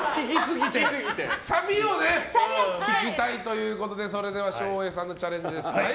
サビを聴きたいということで照英さんのチャレンジです。